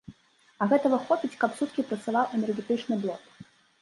А гэтага хопіць, каб суткі працаваў энергетычны блок.